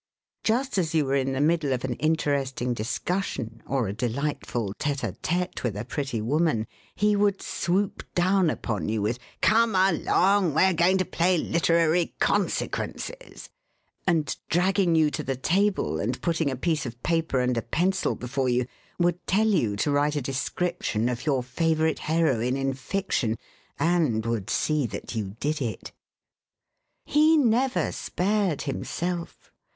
Just as you were in the middle of an interesting discussion, or a delightful tete a tete with a pretty woman, he would swoop down upon you with: "Come along, we're going to play literary consequences," and dragging you to the table, and putting a piece of paper and a pencil before you, would tell you to write a description of your favourite heroine in fiction, and would see that you did it. He never spared himself.